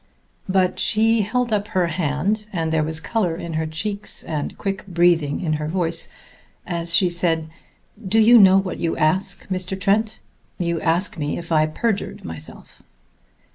But she held up a hand, and there was color in her cheeks and quick breathing in her voice as she said: "Do you know what you ask, Mr. Trent? You ask me if I perjured myself."